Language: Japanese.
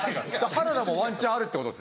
原田もワンチャンあるってことですよ。